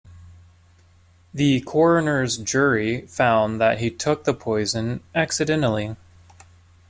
The coroner's jury found that he took the poison accidentally.